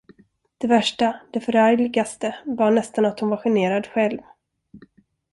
Det värsta, det förargligaste var nästan att hon var generad själv.